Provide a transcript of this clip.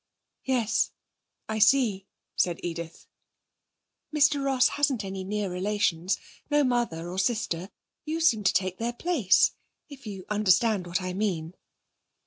'Yes, I see,' said Edith. 'Mr. Ross hasn't any near relations no mother or sister. You seem to take their place if you understand what I mean.'